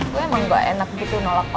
gue emang gak enak gitu nolak